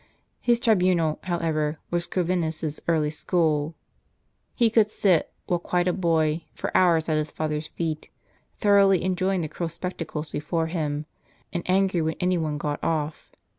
His tribunal, however, was Corvinus' s early school; he could sit, while quite a boy, for hours at his father's feet, thoroughly enjoying the cruel spec tacles before him, and angry when any one got off.